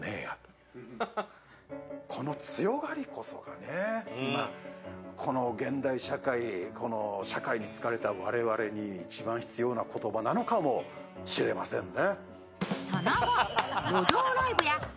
この強がりこそがね、この現代社会、社会に疲れた我々に一番必要な言葉なのかもしれませんね。